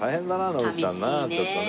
野口さんなちょっとね。